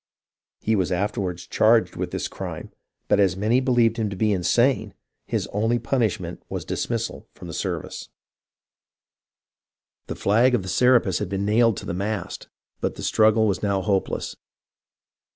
He was afterwards charged with this crime, but as many believed him to be insane, his only punishment was dismissal from the service. THE STRUGGLE ON THE SEA 393 The flag of the Serapis had been nailed to the mast, but the struggle was now hopeless.